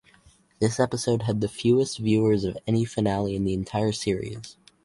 This episode had the fewest viewers of any finale in the entire series.